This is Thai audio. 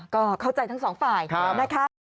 ก็เข้าใจทั้งสองฝ่ายนะคะ